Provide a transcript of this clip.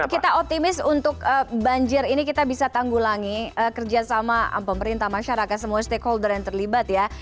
kita optimis untuk banjir ini kita bisa tanggulangi kerjasama pemerintah masyarakat semua stakeholder yang terlibat ya